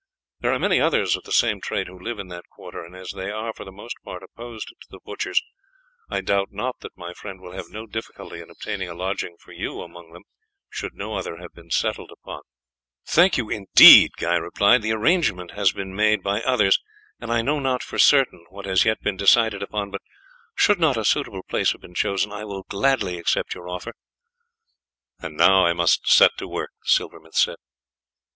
There are many others of the same trade who live in that quarter, and as they are for the most part opposed to the butchers, I doubt not that my friend will have no difficulty in obtaining a lodging for you among them should no other have been settled upon." "Thank you indeed," Guy replied; "the arrangement has been made by others, and I know not for certain what has yet been decided upon, but should not a suitable place have been chosen I will gladly accept your offer." "And now I must set to work," the silversmith said.